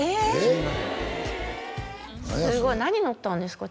みんなですごい何乗ったんですか？